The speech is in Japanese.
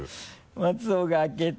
松尾が開けて？